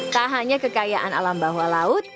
tak hanya kekayaan alam bawah laut